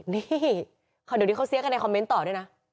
นี่เดี๋ยวนี้เขาเสียกันในคอมเมนต์ต่อด้วยนะ